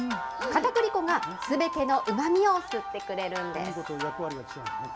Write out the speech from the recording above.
かたくり粉がすべてのうまみを吸ってくれるんです。